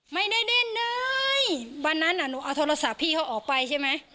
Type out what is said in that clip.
ไม่ได้ดิ้นเลยวันนั้นอ่ะหนูเอาโทรศัพท์พี่เขาออกไปใช่ไหม